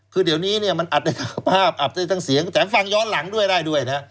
คือเดี๋ยวนี้เนี่ยมันอัดได้กับภาพอัดได้ทั้งเสียงแถมฟังย้อนหลังด้วยได้ด้วยนะฮะ